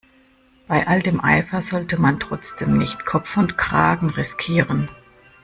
Bei all dem Eifer sollte man trotzdem nicht Kopf und Kragen riskieren.